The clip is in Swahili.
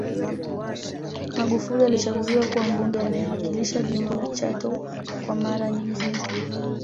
Magufuli alichaguliwa kuwa Mbunge anayewakilisha jimbo la Chato kwa mara nyingine